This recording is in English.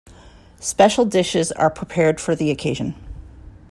Special dishes are prepared for the occasion.